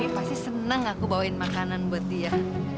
pasti senang aku bawain makanan buat dia